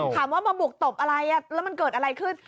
มาบุกตบอะไรแล้วมันเกิดอะไรขึ้น